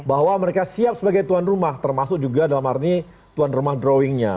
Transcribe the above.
bahwa mereka siap sebagai tuan rumah termasuk juga dalam arti tuan rumah drawingnya